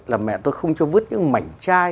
là mẹ tôi không cho vứt những mảnh chai